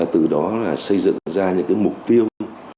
từ đó xây dựng ra những mục tiêu